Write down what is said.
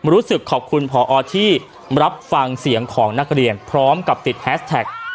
รู้สึกขอบคุณพอที่รับฟังเสียงของนักเรียนพร้อมกับติดแฮสแท็ก